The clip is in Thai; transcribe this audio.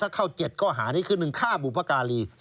ถ้าเข้า๗ข้อหานี้คือ๑ฆ่าบุพการี